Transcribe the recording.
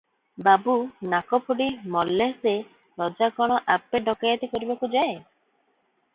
ବାବୁ ନାକଫୋଡି ମଲ୍ଲେ-ସେ ରଜା କଣ ଆପେ ଡକାଏତି କରିବାକୁ ଯାଏ?